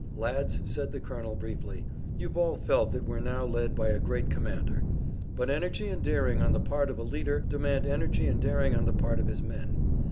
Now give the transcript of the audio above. "Lads," said the colonel briefly, "you've all felt that we're now led by a great commander. But energy and daring on the part of a leader demand energy and daring on the part of his men.